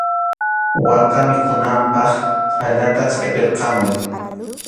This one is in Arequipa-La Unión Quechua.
Waka mikhunanpaq chhallata qʼipirqamuy.